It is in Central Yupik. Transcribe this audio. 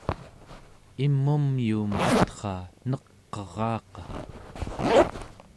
im'um yuum atra neq'eraqa